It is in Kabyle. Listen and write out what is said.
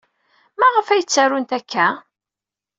Maɣef ay ttarunt akka?